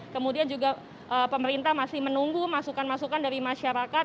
kemudian juga pemerintah masih menunggu masukan masukan dari masyarakat